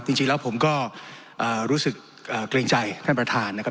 จริงจริงแล้วผมก็เอ่อรู้สึกเอ่อเกรงใจท่านประทานนะครับ